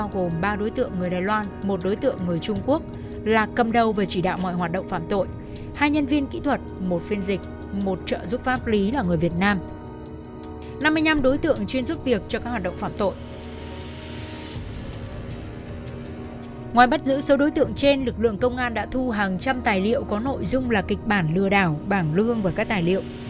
hàng trăm tài liệu có nội dung là kịch bản lừa đảo bảng lương và các tài liệu